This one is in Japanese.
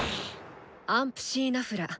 アンプシー・ナフラ。